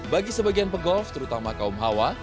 bagi sebagian pegolf terutama kaum hawa